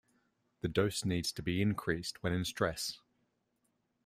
The dose needs to be increased when in stress.